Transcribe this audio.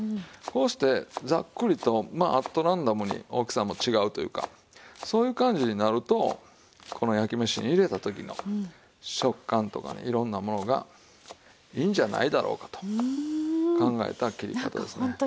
こうしてざっくりとまあアトランダムに大きさも違うというかそういう感じになるとこの焼き飯に入れた時の食感とかねいろんなものがいいんじゃないだろうかと考えた切り方ですね。